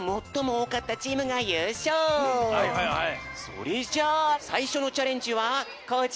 それじゃあさいしょのチャレンジはコージ